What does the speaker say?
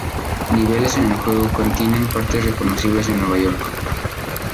Niveles en el juego contienen partes reconocibles de Nueva York.